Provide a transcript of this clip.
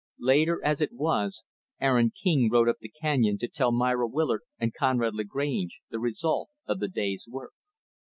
Late as it was, Aaron King rode up the canyon to tell Myra Willard and Conrad Lagrange the result of the day's work.